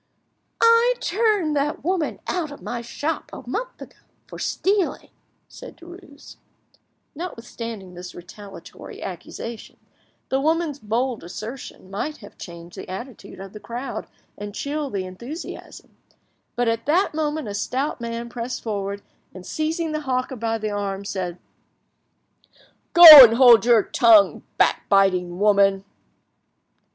"I turned that woman out of my shop a month ago, for stealing," said Derues. Notwithstanding this retaliatory accusation, the woman's bold assertion might have changed the attitude of the crowd and chilled the enthusiasm, but at that moment a stout man pressed forward, and seizing the hawker by the arm, said— "Go, and hold your tongue, backbiting woman!"